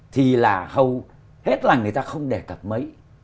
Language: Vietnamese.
thì là hầu hết là người ta không đề cập mấy